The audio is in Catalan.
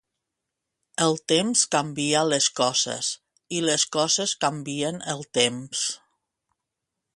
El temps canvia les coses i les coses canvien el temps.